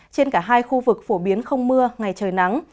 trên cả hai khu vực phổ biến không mưa ngày trời nắng